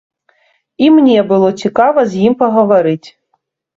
І мне было цікава з ім пагаварыць.